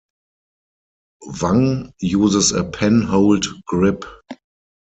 Wang uses a penhold grip.